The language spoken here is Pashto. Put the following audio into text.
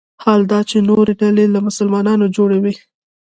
حال دا چې نورې ډلې له مسلمانانو جوړ وي.